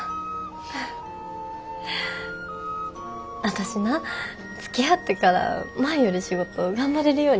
私なつきあってから前より仕事頑張れるようになった。